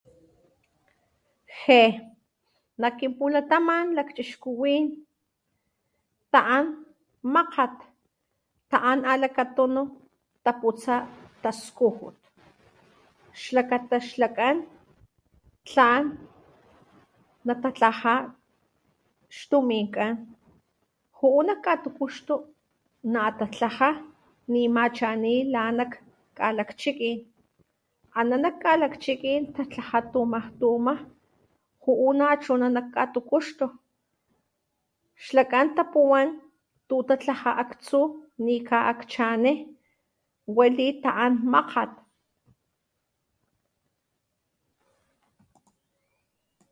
Jé nak kinpulataman lakchixkuwín ta'an makgjat ta'an alakatunu taputsá taskujut xlakata xlakán tlan natatlajá xtumikán ju'u nak atukuxtu natatlajá ni ma chani la nak chiki ala lakgalakgchiki tatlajá tumajtuma ju'u nachuná nak kgatukuxtu xlakán tapuwán tutlatlajá aktsú nika akchané weli ta'an makgjat